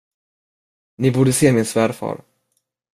Ni borde se min svärfar!